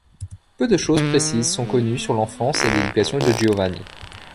Peu de choses précises sont connues sur l'enfance et l'éducation de Giovanni.